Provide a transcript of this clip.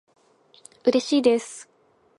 うれしいです